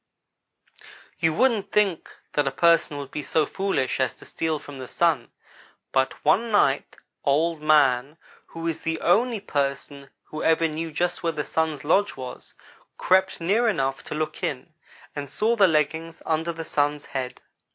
"You wouldn't think that a person would be so foolish as to steal from the Sun, but one night Old man who is the only person who ever knew just where the Sun's lodge was crept near enough to look in, and saw the leggings under the Sun's head.